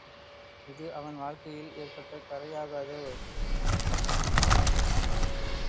இது அவன் வாழ்க்கையில் ஏற்பட்ட கறையாகாதோ?